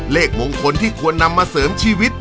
เลขมงคลที่ควรนำมาเสริมชีวิต